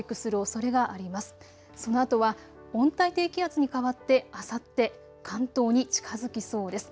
そのあとは温帯低気圧にかわってあさって関東に近づきそうです。